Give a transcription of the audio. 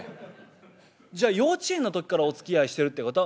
じゃあ幼稚園の時からおつきあいしてるってこと？」。